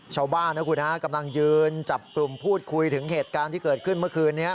ชาวบ้านนะคุณฮะกำลังยืนจับกลุ่มพูดคุยถึงเหตุการณ์ที่เกิดขึ้นเมื่อคืนนี้